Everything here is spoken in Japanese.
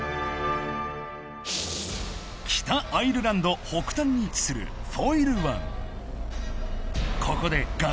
北アイルランド北端に位置するフォイル湾